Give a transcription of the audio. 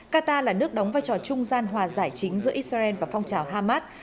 qatar là nước đóng vai trò trung gian hòa giải chính giữa israel và phong trào hamas